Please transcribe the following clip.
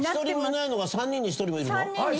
１人もいないのが３人に１人もいるの？